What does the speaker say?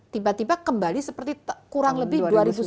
tiba tiba kembali seperti kurang lebih dua ribu sembilan belas